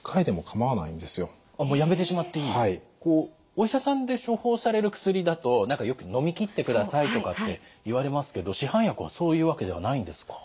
お医者さんで処方される薬だと何かよくのみきってくださいとかって言われますけど市販薬はそういうわけではないんですか？